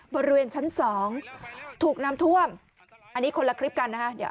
บนเรือนชั้นสองถูกน้ำท่วมอันนี้คนละคลิปกันนะคะ